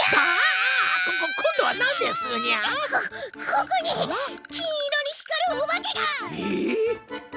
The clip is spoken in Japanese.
こここに金色に光るおばけが！えっ！？